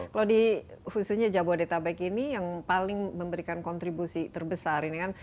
kalau di khususnya jabodetabek ini yang paling memberikan kontribusi terbesar ini kan